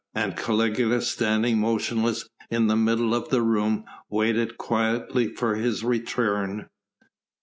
And Caligula, standing motionless in the middle of the room waited quietly for his return.